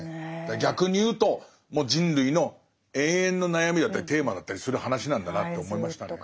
逆に言うともう人類の永遠の悩みだったりテーマだったりする話なんだなと思いましたね。